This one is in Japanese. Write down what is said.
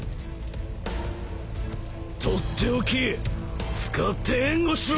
取って置き使って援護しろ！